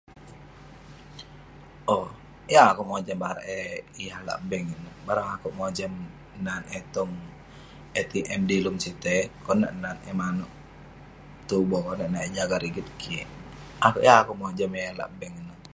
owk yeng akeuk mojam barak eh yah lak bank ineh, bareng akeuk mojam nat eh tong ATM dilem sitei. Konak nat eh maneuk, tuboh konak nat eh jagak rigit kik. Akeuk yeng akeuk mojam eh lak bank ineh.